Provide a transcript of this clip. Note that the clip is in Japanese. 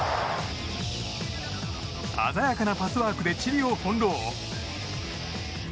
鮮やかなパスワークでチリを翻弄。